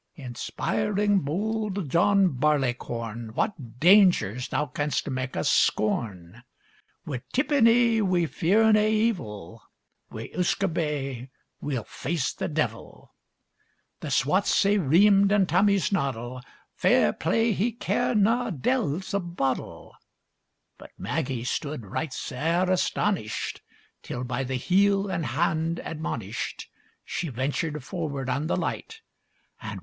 Inspiring, bold John Barleycorn! What dangers thou canst mak' us scorn! Wi' tippenny we fear nae evil; Wi' usquabae we'll face the devil! The swats sae reamed in Tammie's noddle, Fair play, he cared na de'ils a boddle. But Maggie stood right sair astonished, Till, by the heel and hand admonished She ventured forward on the light; And wow!